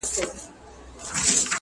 ټاکنې او ولسي استازیتوب